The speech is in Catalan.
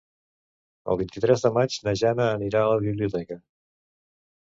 El vint-i-tres de maig na Jana anirà a la biblioteca.